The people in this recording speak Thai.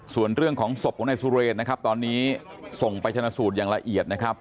ส่วนเรื่องของศพของนายสุเรนนะครับตอนนี้ส่งไปชนะสูตรอย่างละเอียดนะครับ